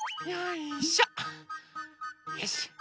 よし。